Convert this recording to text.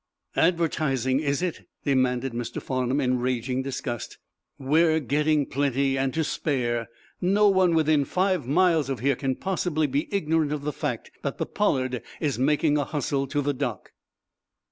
"Advertising, is it?" demanded Mr. Farnum, in raging disgust. "We're getting plenty and to spare. No one within five miles of here can possibly be ignorant of the fact that the 'Pollard' is making a hustle to the dock!"